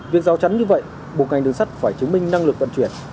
việc rào chắn như vậy buộc ngành đường sắt phải chứng minh năng lực vận chuyển